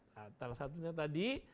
nah salah satunya tadi